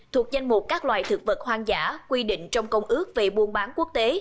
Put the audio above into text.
thuộc danh mục các loài thực vật hoang dã quy định trong công ước về buôn bán quốc tế